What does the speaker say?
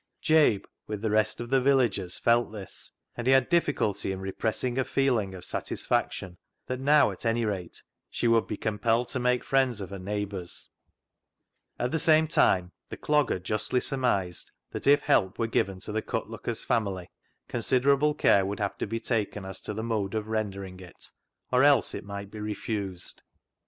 Jabe, with the rest of the villagers, felt this, and he had difficulty in repressing a feeling of satisfaction that now, at anyrate she would be compelled to make friends of her neighbours. 220 CLOG SHOP CHRONICLES At the same time, the Clogger justly sur mised that, if help were given to the cut looker's family, considerable care would have to be taken as to the mode of rendering it, or else it might be refused.